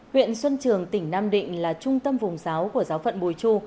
huyện xuân trường tỉnh nam định là trung tâm vùng giáo của giáo phận bùi chu